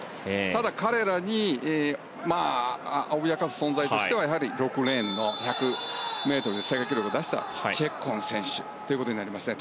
ただ、彼らを脅かす存在としてはやはり６レーンの１００ｍで世界記録を出したチェッコン選手ということになりますね。